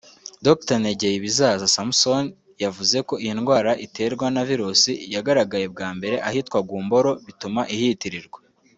Dr Ntegeyibizaza Samson yavuze ko iyi ndwara iterwa na virus yagaragaye bwa mbere ahitwa Gumboro bituma ihitirirwa